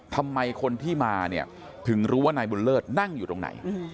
ทำไมคนที่มาเนี่ยถึงรู้ว่านายบุญเลิศนั่งอยู่ตรงไหน